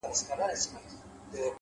نظم ګډوډي په توازن بدلوي,